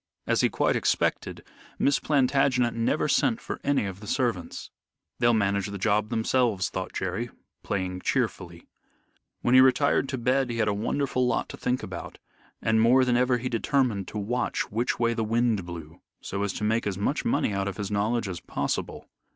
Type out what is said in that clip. As he quite expected, Miss Plantagenet never sent for any of the servants. "They'll manage the job themselves," thought Jerry, playing cheerfully. When he retired to bed he had a wonderful lot to think about, and more than ever he determined to watch which way the wind blew so as to make as much money out of his knowledge as possible.